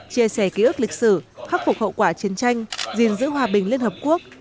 chia sẻ ký ức lịch sử khắc phục hậu quả chiến tranh gìn giữ hòa bình liên hợp quốc